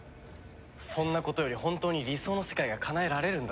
そんなことより本当に理想の世界がかなえられるんだろうな？